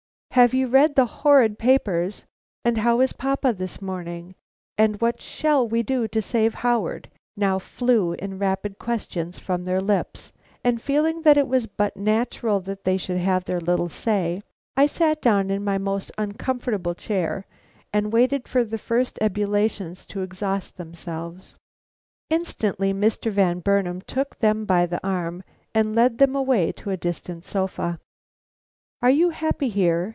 "Have you read the horrid papers?" and "How is papa this morning?" and "What shall we do to save Howard?" now flew in rapid questions from their lips; and feeling that it was but natural they should have their little say, I sat down in my most uncomfortable chair and waited for these first ebullitions to exhaust themselves. Instantly Mr. Van Burnam took them by the arm, and led them away to a distant sofa. "Are you happy here?"